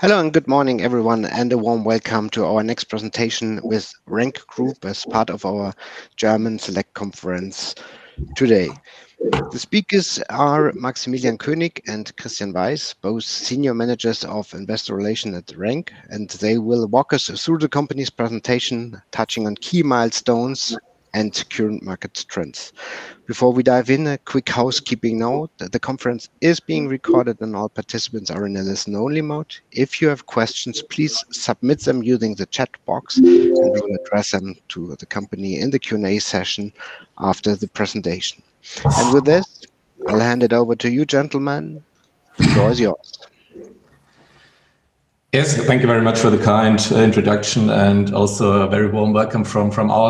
Hello, and good morning, everyone, and a warm welcome to our next presentation with RENK Group as part of our German Select Conference today. The speakers are Maximilian König and Christian Weiss, both Senior Managers of Investor Relations at RENK, and they will walk us through the company's presentation, touching on key milestones and current market trends. Before we dive in, a quick housekeeping note that the conference is being recorded and all participants are in a listen-only mode. If you have questions, please submit them using the chat box and we'll address them to the company in the Q&A session after the presentation. With this, I'll hand it over to you, gentlemen. The floor is yours. Yes. Thank you very much for the kind introduction and also a very warm welcome from my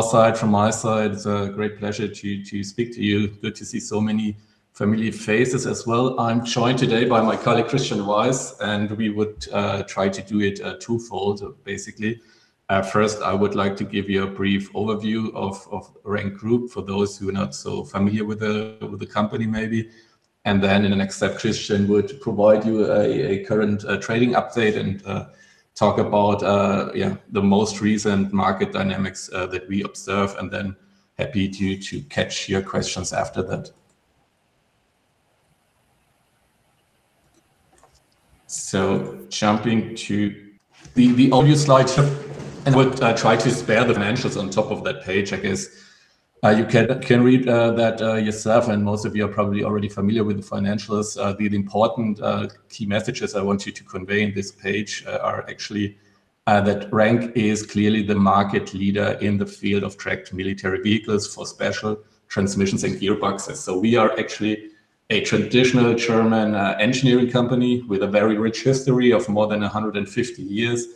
side. It's a great pleasure to speak to you. It is good to see so many familiar faces as well. I'm joined today by my colleague, Christian Weiss, and we would try to do it twofold, basically. First, I would like to give you a brief overview of RENK Group for those who are not so familiar with the company maybe. In the next step, Christian would provide you a current trading update and talk about the most recent market dynamics that we observe, and then happy to catch your questions after that. Jumping to the overview slide, and I would try to spare the financials on top of that page, I guess. You can read that yourself, and most of you are probably already familiar with the financials. The important key messages I want you to convey in this page are actually that RENK is clearly the market leader in the field of tracked military vehicles for special transmissions and gearboxes. We are actually a traditional German engineering company with a very rich history of more than 150 years.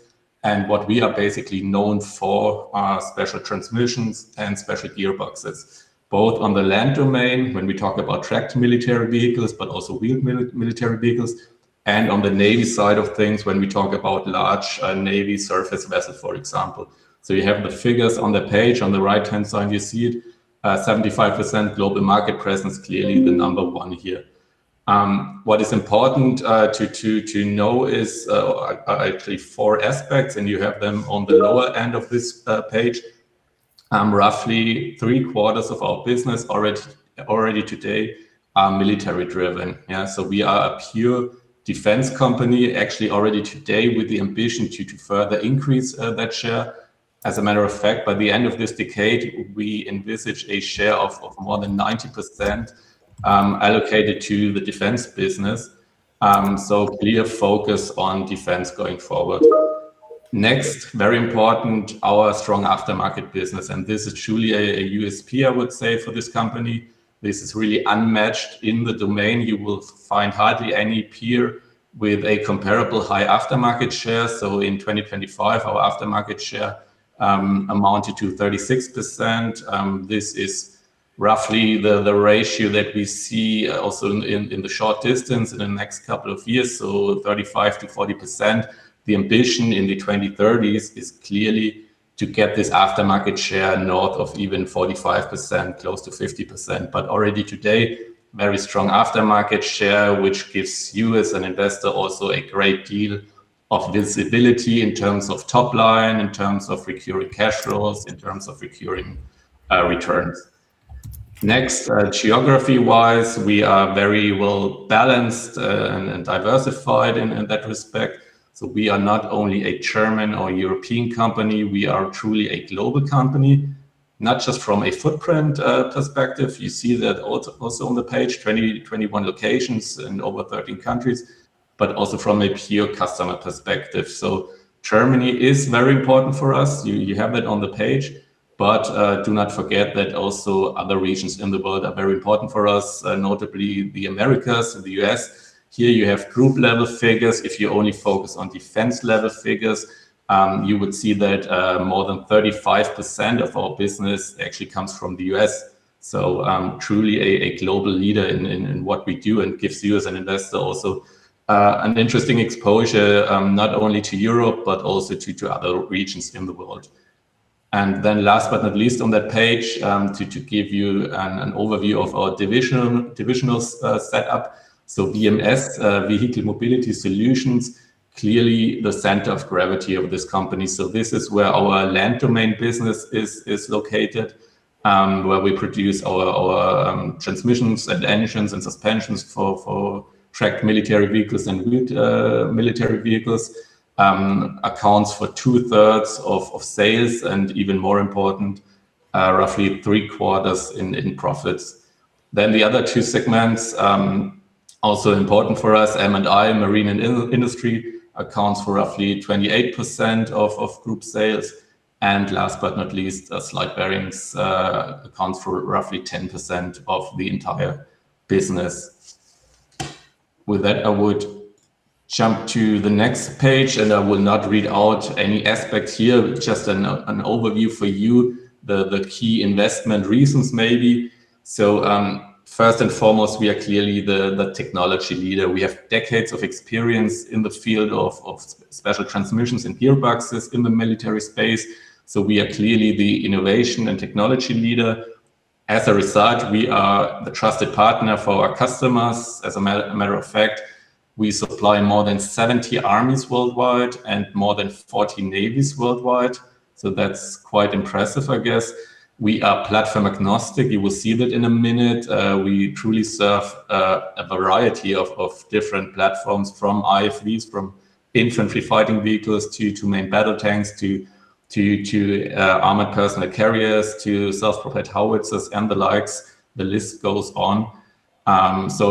What we are basically known for are special transmissions and special gearboxes, both on the land domain when we talk about tracked military vehicles, but also wheeled military vehicles, and on the navy side of things when we talk about large navy surface vessels, for example. You have the figures on the page. On the right-hand side, you see it, 75% global market presence, clearly the number one here. What is important to know is actually four aspects, and you have them on the lower end of this page. Roughly 3/4 of our business already today are military-driven. We are a pure defense company actually already today with the ambition to further increase that share. As a matter of fact, by the end of this decade, we envisage a share of more than 90% allocated to the defense business, so clear focus on defense going forward. Next, very important, our strong aftermarket business, and this is truly a USP, I would say, for this company. This is really unmatched in the domain. You will find hardly any peer with a comparable high aftermarket share. In 2025, our aftermarket share amounted to 36%. This is roughly the ratio that we see also in the short distance in the next couple of years, so 35%-40%. The ambition in the 2030s is clearly to get this aftermarket share north of even 45%, close to 50%. Already today, very strong aftermarket share, which gives you as an investor also a great deal of visibility in terms of top line, in terms of recurring cash flows, in terms of recurring returns. Next, geography-wise, we are very well-balanced and diversified in that respect. We are not only a German or European company. We are truly a global company, not just from a footprint perspective, you see that also on the page, 21 locations in over 13 countries, but also from a pure customer perspective. Germany is very important for us. You have it on the page. Do not forget that also other regions in the world are very important for us, notably the Americas and the U.S. Here you have group-level figures. If you only focus on defense-level figures, you would see that more than 35% of our business actually comes from the U.S. Truly a global leader in what we do and gives you as an investor also an interesting exposure, not only to Europe but also to other regions in the world. Last but not least on that page, to give you an overview of our divisional setup, VMS, Vehicle Mobility Solutions, clearly the center of gravity of this company. This is where our land domain business is located, where we produce our transmissions and engines and suspensions for tracked military vehicles and wheeled military vehicles, accounts for 2/3 of sales, and even more important, roughly 3/4 in profits. The other two segments, also important for us, M&I, Marine & Industry, accounts for roughly 28% of group sales. Last but not least, Slide Bearings accounts for roughly 10% of the entire business. With that, I would jump to the next page, and I will not read out any aspect here, just an overview for you, the key investment reasons maybe. First and foremost, we are clearly the technology leader. We have decades of experience in the field of special transmissions and gearboxes in the military space. We are clearly the innovation and technology leader. As a result, we are the trusted partner for our customers. As a matter of fact, we supply more than 70 armies worldwide and more than 40 navies worldwide. That's quite impressive, I guess. We are platform-agnostic. You will see that in a minute. We truly serve a variety of different platforms from IFVs, infantry fighting vehicles, to main battle tanks, to armored personnel carriers, to self-propelled howitzers and the likes. The list goes on.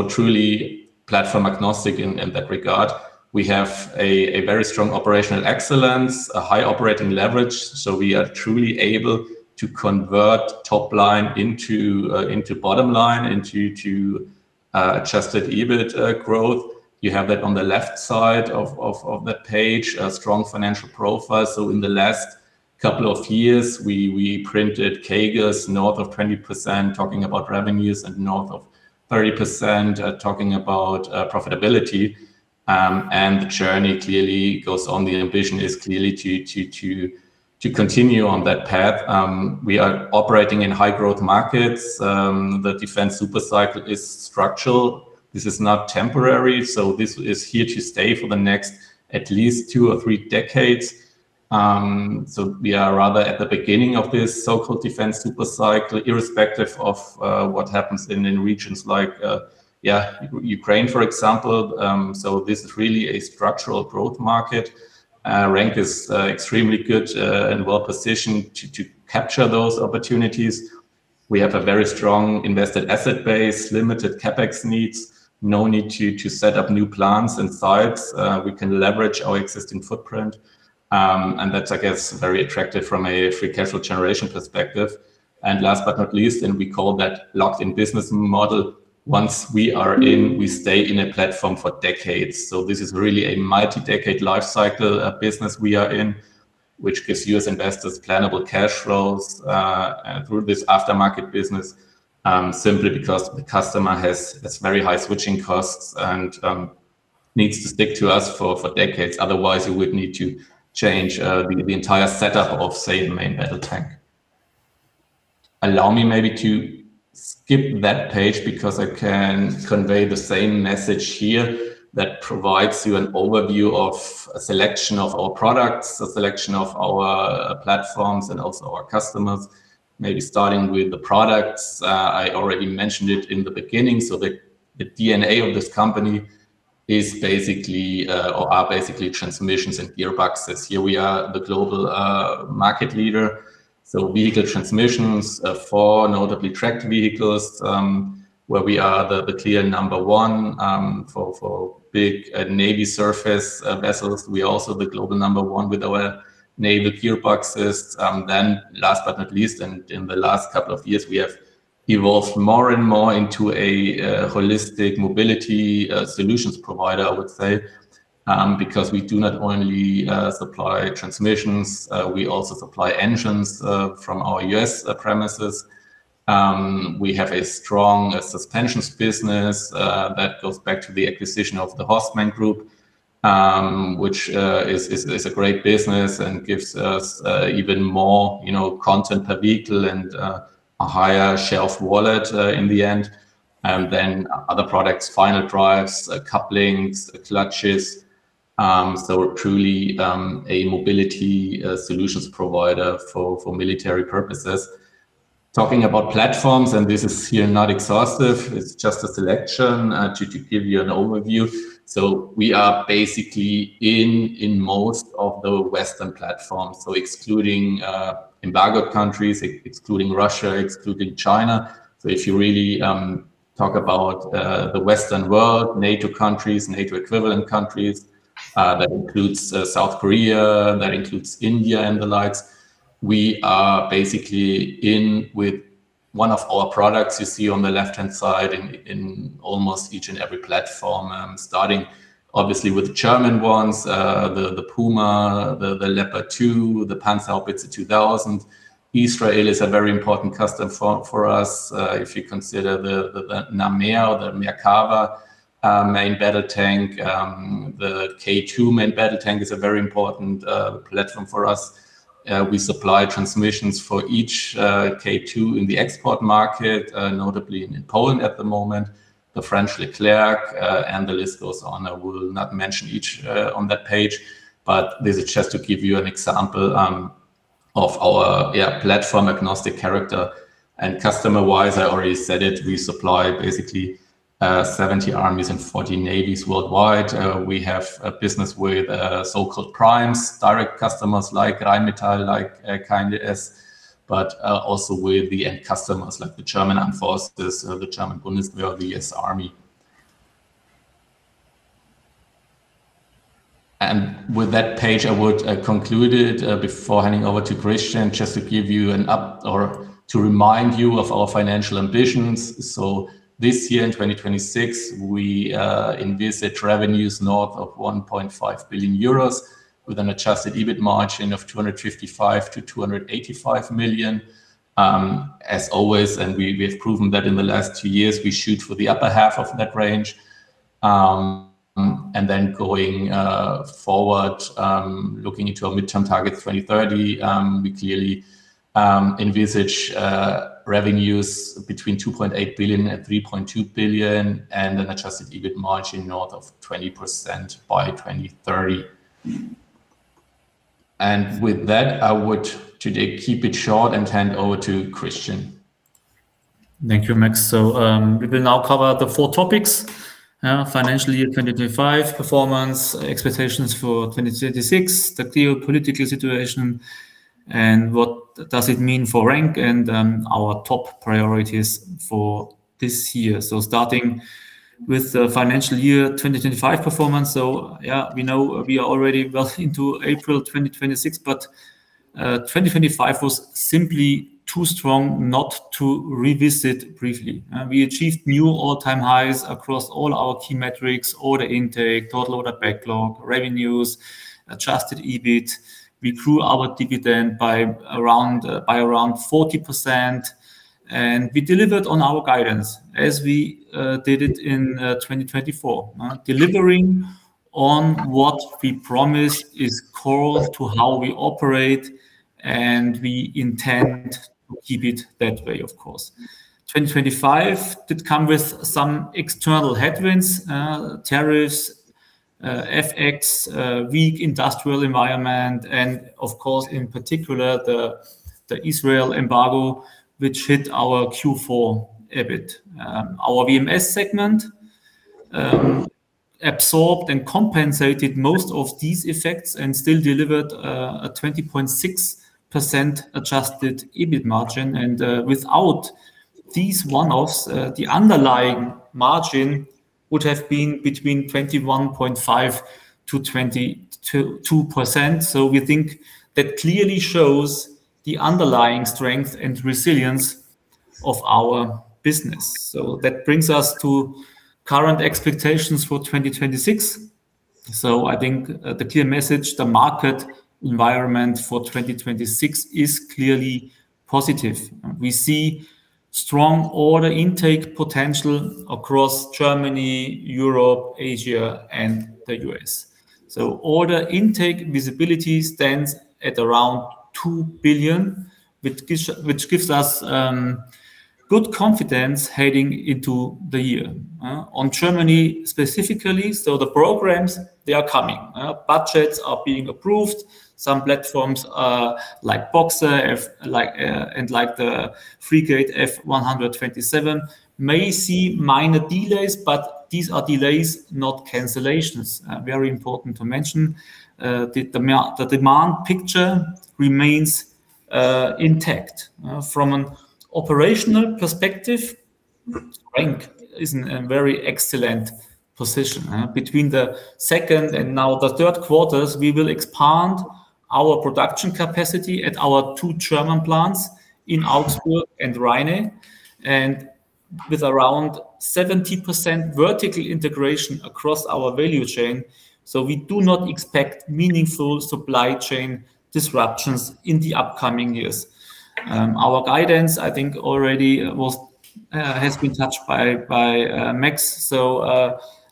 Truly platform-agnostic in that regard. We have a very strong operational excellence, a high operating leverage. We are truly able to convert top line into bottom line, into adjusted EBIT growth. You have that on the left side of that page, a strong financial profile. In the last couple of years, we printed CAGRs north of 20% talking about revenues, and north of 30% talking about profitability. The journey clearly goes on. The ambition is clearly to continue on that path. We are operating in high-growth markets. The defense super cycle is structural. This is not temporary. This is here to stay for the next at least two or three decades. We are rather at the beginning of this so-called defense super cycle, irrespective of what happens in regions like Ukraine, for example. This is really a structural growth market. RENK is extremely good and well-positioned to capture those opportunities. We have a very strong invested asset base, limited CapEx needs, no need to set up new plants and sites. We can leverage our existing footprint. That's, I guess, very attractive from a free cash flow generation perspective. Last but not least, we call that locked-in business model. Once we are in, we stay in a platform for decades. This is really a multi-decade life cycle business we are in, which gives you as investors plannable cash flows through this aftermarket business, simply because the customer has very high switching costs and needs to stick to us for decades. Otherwise, we would need to change the entire setup of, say, the main battle tank. Allow me maybe to skip that page because I can convey the same message here that provides you an overview of a selection of our products, a selection of our platforms, and also our customers, maybe starting with the products. I already mentioned it in the beginning. The DNA of this company are basically transmissions and gearboxes. Here we are the global market leader. Vehicle transmissions for notably tracked vehicles, where we are the clear number one. For big navy surface vessels, we are also the global number one with our naval gearboxes. Last but not least, and in the last couple of years, we have evolved more and more into a holistic mobility solutions provider, I would say, because we do not only supply transmissions, we also supply engines from our U.S. premises. We have a strong suspensions business that goes back to the acquisition of the Horstman Group, which is a great business and gives us even more content per vehicle and a higher share of wallet in the end. Other products, final drives, couplings, clutches, we're truly a mobility solutions provider for military purposes. Talking about platforms, and this is here not exhaustive, it's just a selection to give you an overview. We are basically in most of the Western platforms, excluding embargoed countries, excluding Russia, excluding China. If you really talk about the Western world, NATO countries, NATO equivalent countries, that includes South Korea, that includes India and the likes. We are basically in with one of our products you see on the left-hand side in almost each and every platform, starting obviously, with the German ones, the Puma, the Leopard 2, the Panzerhaubitze 2000. Israel is a very important customer for us, if you consider the Namer or the Merkava main battle tank. The K2 main battle tank is a very important platform for us. We supply transmissions for each K2 in the export market, notably in Poland at the moment, the French LECLERC, and the list goes on. I will not mention each on that page, but this is just to give you an example of our platform-agnostic character. Customer-wise, I already said it, we supply basically 70 armies and 40 navies worldwide. We have a business with so-called primes, direct customers like Rheinmetall, like KNDS, but also with the end customers, like the German Armed Forces, the German Bundeswehr, the U.S. Army. With that page, I would conclude it before handing over to Christian, just to remind you of our financial ambitions. This year, in 2026, we envisage revenues north of 1.5 billion euros with an adjusted EBIT margin of 255 million-285 million. As always, and we have proven that in the last two years, we shoot for the upper half of that range. Going forward, looking into our midterm target 2030, we clearly envisage revenues between 2.8 billion and 3.2 billion and an adjusted EBIT margin north of 20% by 2030. With that, I would today keep it short and hand over to Christian. Thank you, Max. We will now cover the four topics, financial year 2025 performance, expectations for 2026, the geopolitical situation, and what does it mean for RENK and our top priorities for this year. Starting with the financial year 2025 performance. Yeah, we know we are already well into April 2026, but 2025 was simply too strong not to revisit briefly. We achieved new all-time highs across all our key metrics, order intake, total order backlog, revenues, adjusted EBIT. We grew our dividend by around 40%, and we delivered on our guidance as we did it in 2024. Delivering on what we promised is core to how we operate, and we intend to keep it that way, of course. 2025 did come with some external headwinds, tariffs, FX, weak industrial environment, and, of course, in particular, the Israel embargo, which hit our Q4 EBIT. Our VMS segment absorbed and compensated most of these effects and still delivered a 20.6% adjusted EBIT margin, and without these one-offs, the underlying margin would have been between 21.5%-22%. We think that clearly shows the underlying strength and resilience of our business. That brings us to current expectations for 2026. I think the clear message, the market environment for 2026 is clearly positive. We see strong order intake potential across Germany, Europe, Asia and the U.S.. Order intake visibility stands at around 2 billion, which gives us good confidence heading into the year. On Germany specifically, the programs they are coming. Budgets are being approved. Some platforms, like Boxer and like the Frigate F127, may see minor delays, but these are delays, not cancellations. Very important to mention, the demand picture remains intact. From an operational perspective, RENK is in a very excellent position. Between the second and now the third quarters, we will expand our production capacity at our two German plants in Augsburg and Rheine, and with around 70% vertical integration across our value chain. We do not expect meaningful supply chain disruptions in the upcoming years. Our guidance, I think already has been touched by Max.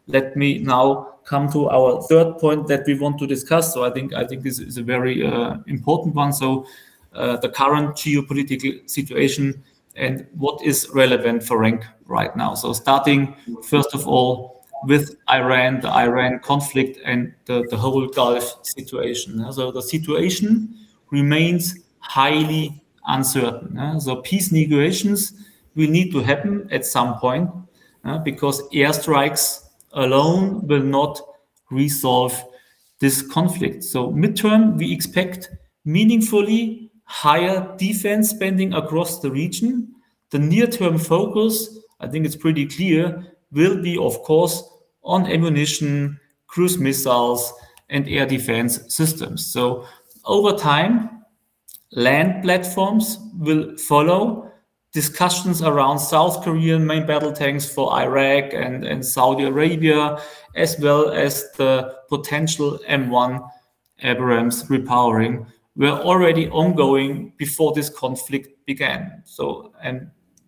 Let me now come to our third point that we want to discuss. I think this is a very important one. The current geopolitical situation and what is relevant for RENK right now. Starting first of all with Iran, the Iran conflict and the whole Gulf situation. The situation remains highly uncertain. Peace negotiations will need to happen at some point because airstrikes alone will not resolve this conflict. Midterm, we expect meaningfully higher defense spending across the region. The near-term focus, I think it's pretty clear, will be, of course, on ammunition, cruise missiles and air defense systems. Over time, land platforms will follow. Discussions around South Korean main battle tanks for Iraq and Saudi Arabia, as well as the potential M1 Abrams repowering, were already ongoing before this conflict began.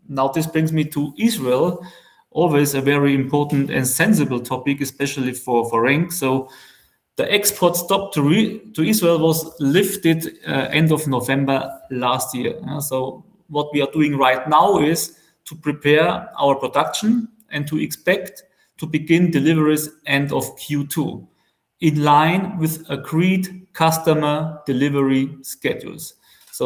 Now this brings me to Israel. Always a very important and sensible topic, especially for RENK. The export stop to Israel was lifted end of November last year. What we are doing right now is to prepare our production and to expect to begin deliveries end of Q2, in line with agreed customer delivery schedules.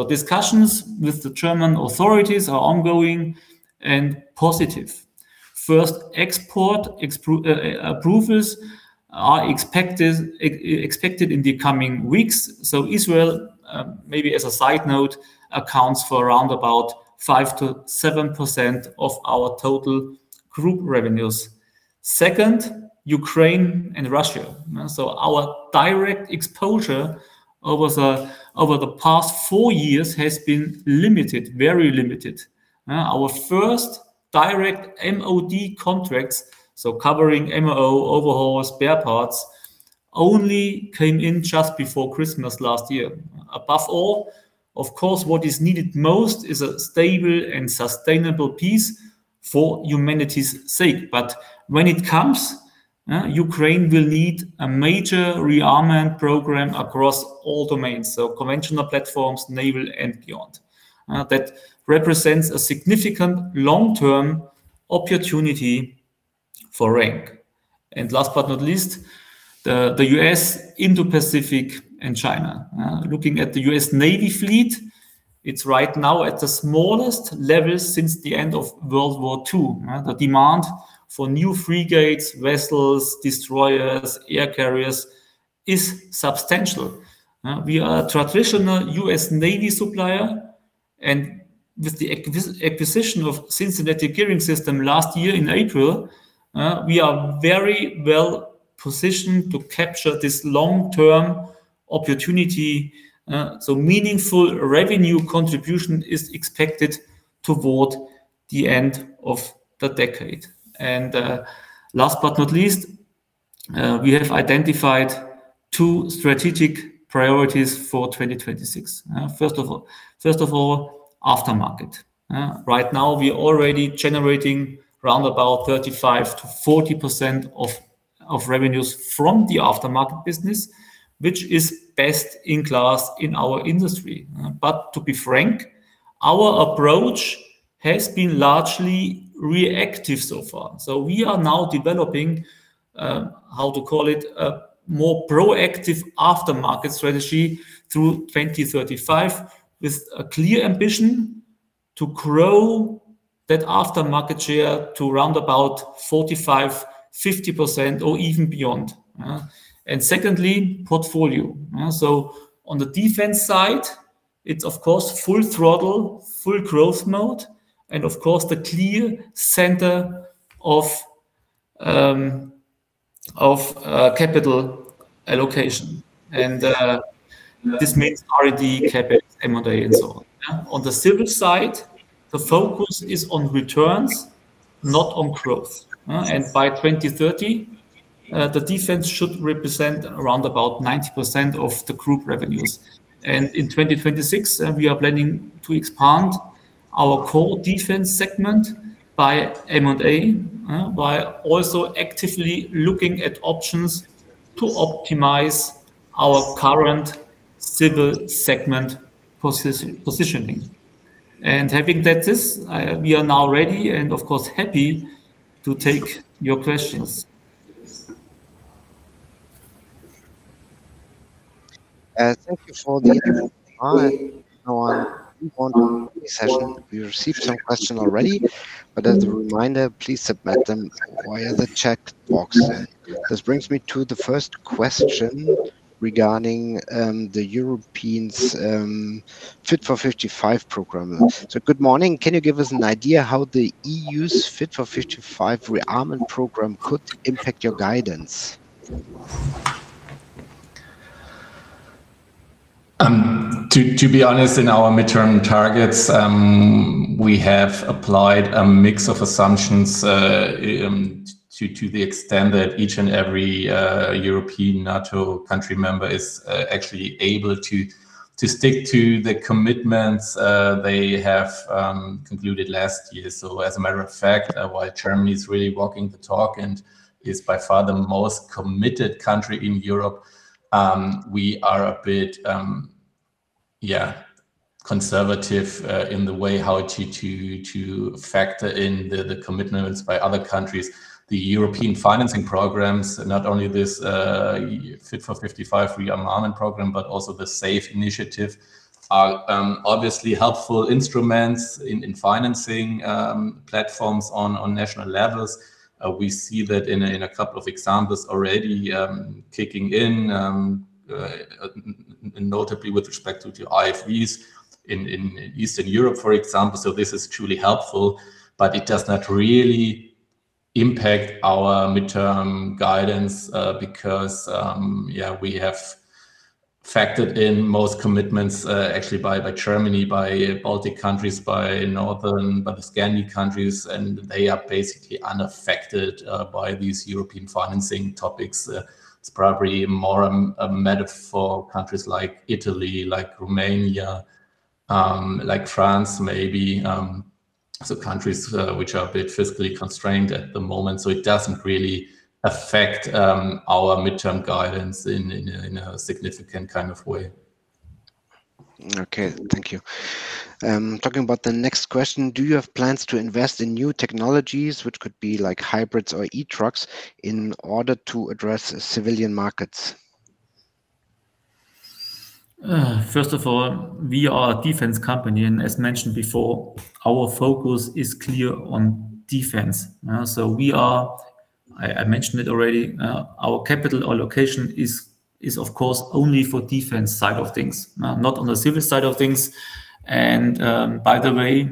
Discussions with the German authorities are ongoing and positive. First export approvals are expected in the coming weeks. Israel, maybe as a side note, accounts for around about 5%-7% of our total group revenues. Second, Ukraine and Russia. Our direct exposure over the past four years has been limited, very limited. Our first direct MoD contracts, so covering MRO, overhaul, spare parts, only came in just before Christmas last year. Above all, of course, what is needed most is a stable and sustainable peace for humanity's sake. When it comes, Ukraine will need a major rearmament program across all domains, so conventional platforms, naval and beyond. That represents a significant long-term opportunity for RENK. Last but not least, the U.S. Indo-Pacific and China. Looking at the U.S. Navy fleet, it's right now at the smallest level since the end of World War II. The demand for new frigates, vessels, destroyers, air carriers is substantial. We are a traditional U.S. Navy supplier, and with the acquisition of Cincinnati Gearing Systems last year in April, we are very well-positioned to capture this long-term opportunity. Meaningful revenue contribution is expected toward the end of the decade. Last but not least, we have identified two strategic priorities for 2026. First of all, aftermarket. Right now, we are already generating around about 35%-40% of revenues from the aftermarket business, which is best-in-class in our industry. To be frank, our approach has been largely reactive so far. We are now developing, how to call it, a more proactive aftermarket strategy through 2035, with a clear ambition to grow that aftermarket share to round about 45%, 50% or even beyond. Secondly, portfolio. On the Defense side, it's of course full throttle, full growth mode, and of course, the clear center of capital allocation. This means R&D, CapEx, M&A and so on. On the Civil side, the focus is on returns, not on growth. By 2030, the Defense should represent around about 90% of the Group revenues. In 2026, we are planning to expand our core Defense segment by M&A, by also actively looking at options to optimize our current Civil segment positioning. Having that said, we are now ready and of course, happy to take your questions. Thank you for the session. We received some question already, but as a reminder, please submit them via the chat box. This brings me to the first question regarding the Europeans' Fit for 55 program. Good morning. Can you give us an idea how the EU's Fit for 55 rearmament program could impact your guidance? To be honest, in our midterm targets, we have applied a mix of assumptions to the extent that each and every European NATO country member is actually able to stick to the commitments they have concluded last year. As a matter of fact, while Germany is really walking the talk and is by far the most committed country in Europe, we are a bit conservative in the way how to factor in the commitments by other countries. The European financing programs, not only this Fit for 55 rearmament program, but also the SAFE initiative, are obviously helpful instruments in financing platforms on national levels. We see that in a couple of examples already kicking in, notably with respect to the IFVs in Eastern Europe, for example. This is truly helpful, but it does not really impact our midterm guidance because we have factored in most commitments, actually by Germany, by Baltic countries, by the Scandinavian countries, and they are basically unaffected by these European financing topics. It's probably more a matter for countries like Italy, like Romania, like France, maybe, countries which are a bit fiscally constrained at the moment. It doesn't really affect our midterm guidance in a significant kind of way. Okay. Thank you. Talking about the next question, do you have plans to invest in new technologies, which could be like hybrids or e-trucks, in order to address civilian markets? First of all, we are a defense company, and as mentioned before, our focus is clear on defense. I mentioned it already, our capital allocation is of course only for defense side of things, not on the civil side of things. By the way,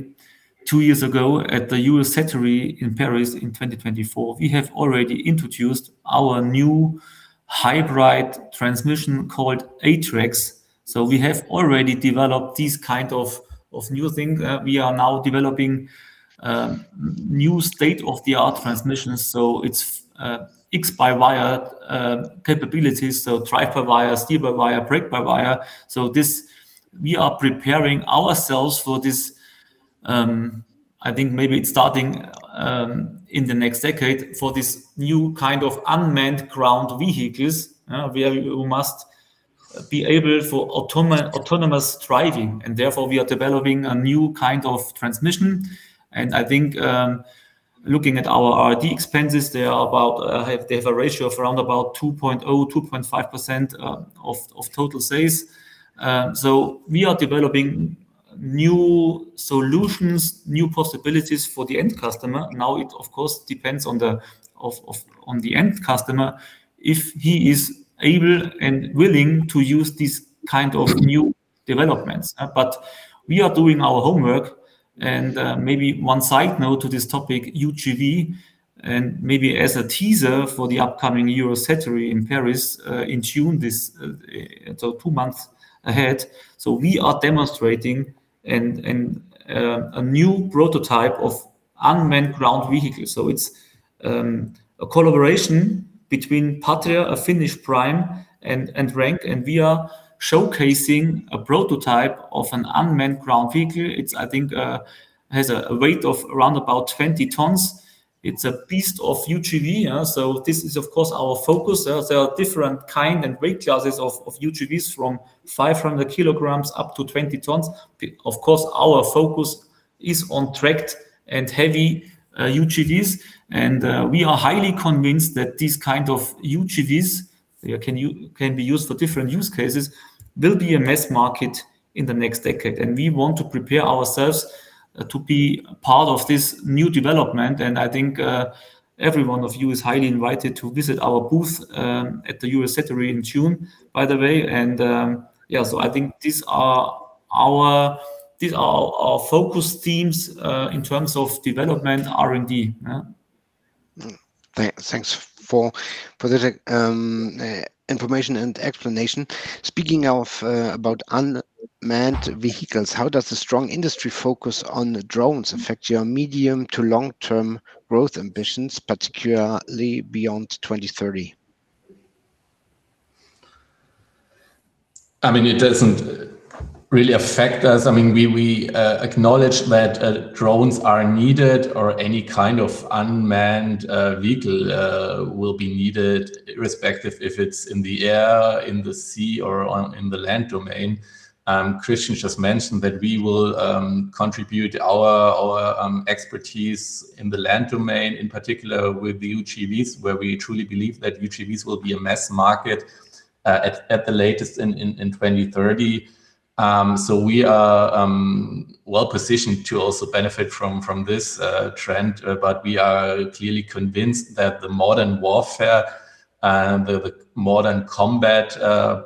two years ago at the Eurosatory in Paris in 2024, we have already introduced our new hybrid transmission called ATREX. We have already developed these kind of new things. We are now developing new state-of-the-art transmissions, so it's x-by-wire capabilities, so drive-by-wire, steer-by-wire, brake-by-wire. We are preparing ourselves for this, I think maybe it's starting in the next decade, for this new kind of unmanned ground vehicles. We must be able for autonomous driving, and therefore, we are developing a new kind of transmission. I think, looking at our R&D expenses, they have a ratio of around about 2.0%-2.5% of total sales. We are developing new solutions, new possibilities for the end customer. Now it of course depends on the end customer, if he is able and willing to use these kind of new developments. We are doing our homework and maybe one side note to this topic, UGV, and maybe as a teaser for the upcoming Eurosatory in Paris, in June, so two months ahead. We are demonstrating a new prototype of unmanned ground vehicle. It's a collaboration between Patria, a Finnish prime, and RENK, and we are showcasing a prototype of an unmanned ground vehicle. It, I think, has a weight of around about 20 tons. It's a beast of UGV, so this is of course, our focus. There are different kind and weight classes of UGV from 500 kilograms up to 20 tons. Of course, our focus is on tracked and heavy UGVs, and we are highly convinced that these kind of UGVs can be used for different use cases, there'll be a mass market in the next decade, and we want to prepare ourselves to be part of this new development. I think every one of you is highly invited to visit our booth at the Eurosatory in June, by the way. I think these are our focus themes in terms of development R&D. Thanks for the information and explanation. Speaking about unmanned vehicles, how does the strong industry focus on drones affect your medium to long-term growth ambitions, particularly beyond 2030? It doesn't really affect us. We acknowledge that drones are needed or any kind of unmanned vehicle will be needed, irrespective if it's in the air, in the sea, or in the land domain. Christian just mentioned that we will contribute our expertise in the land domain, in particular with the UGVs, where we truly believe that UGVs will be a mass market at the latest in 2030. We are well-positioned to also benefit from this trend. We are clearly convinced that the modern warfare, the modern combat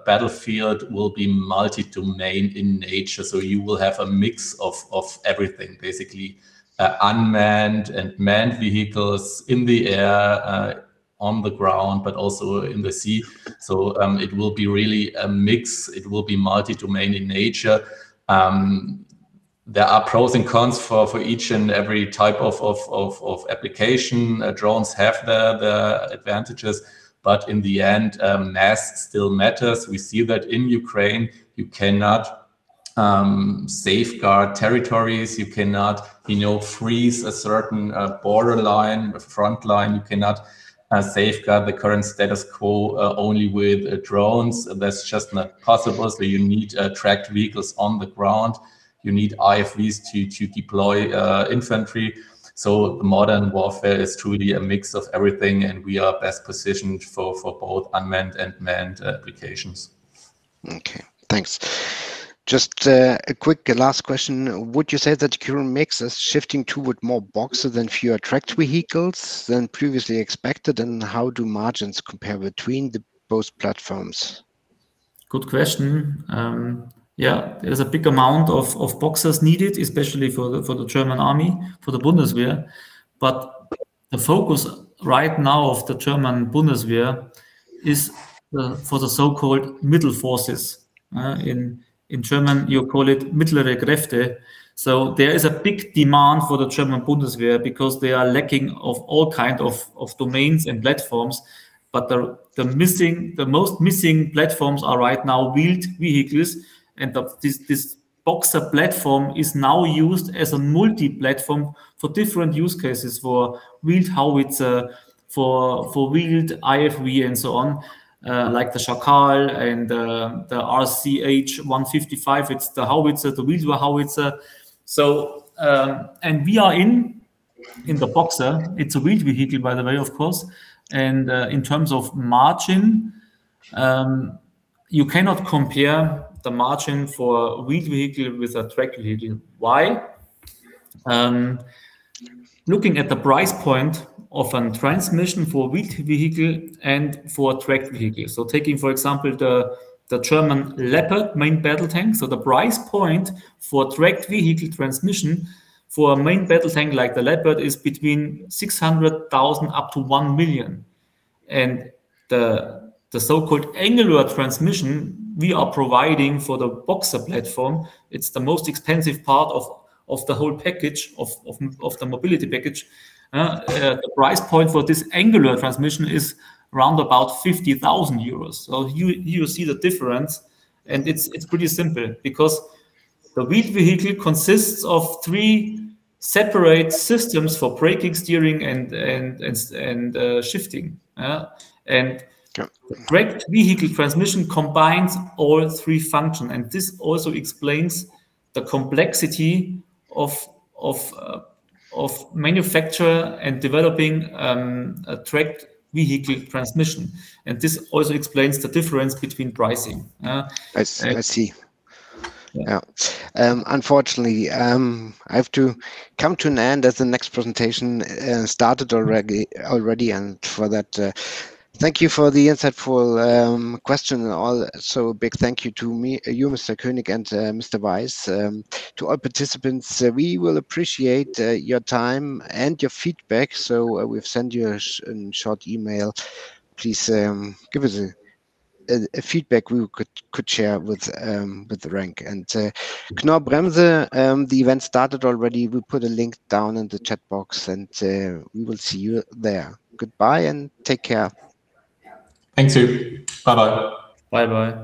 battlefield, will be multi-domain in nature, so you will have a mix of everything, basically, unmanned and manned vehicles in the air, on the ground, but also in the sea. It will be really a mix. It will be multi-domain in nature. There are pros and cons for each and every type of application. Drones have their advantages, but in the end, mass still matters. We see that in Ukraine, you cannot safeguard territories. You cannot freeze a certain borderline, frontline. You cannot safeguard the current status quo only with drones. That's just not possible. You need tracked vehicles on the ground. You need IFV to deploy infantry. Modern warfare is truly a mix of everything, and we are best positioned for both unmanned and manned applications. Okay, thanks. Just a quick last question, would you say that current mix is shifting toward more Boxer and fewer tracked vehicles than previously expected? How do margins compare between the both platforms? Good question. Yeah, there's a big amount of Boxers needed, especially for the German Army, for the Bundeswehr, but the focus right now of the German Bundeswehr is for the so-called middle forces. In German, you call it "mittlere Kräfte". There is a big demand for the German Bundeswehr because they are lacking of all kind of domains and platforms, but the most missing platforms are right now wheeled vehicles, and this Boxer platform is now used as a multi-platform for different use cases, for wheeled howitzer, for wheeled IFV and so on. Like the and the RCH 155. It's the howitzer, the wheeled howitzer. We are in the Boxer, it's a wheeled vehicle by the way, of course. In terms of margin, you cannot compare the margin for wheeled vehicle with a tracked vehicle. Why? Looking at the price point of a transmission for wheeled vehicle and for tracked vehicle. Taking, for example, the German Leopard main battle tank. The price point for tracked vehicle transmission for a main battle tank like the Leopard is between 600,000 up to 1 million. The so-called angular transmission we are providing for the Boxer platform it's the most expensive part of the mobility package. The price point for this angular transmission is around about 50,000 euros, so you see the difference. It's pretty simple because the wheeled vehicle consists of three separate systems for braking, steering, and shifting. Tracked vehicle transmission combines all three functions, and this also explains the complexity of manufacture and developing a tracked vehicle transmission. This also explains the difference between pricing. I see. Unfortunately, I have to come to an end as the next presentation has started already, and for that, thank you for the insightful question and also a big thank you to you, Mr. König and Mr. Weiss. To our participants, we will appreciate your time and your feedback, so we'll send you a short email. Please give us a feedback we could share with RENK. Knorr-Bremse, the event started already. We'll put a link down in the chat box, and we will see you there. Goodbye and take care. Thank you. Bye-bye. Bye-bye.